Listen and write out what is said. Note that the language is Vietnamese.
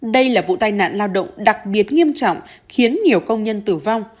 đây là vụ tai nạn lao động đặc biệt nghiêm trọng khiến nhiều công nhân tử vong